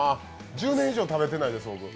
１０年以上食べてないです、僕。